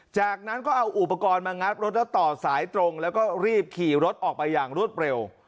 จากนั้นก็เอาอุปกรณ์มางัดรถแล้วต่อสายตรงแล้วก็รีบขี่รถออกไปอย่างรวดเร็ว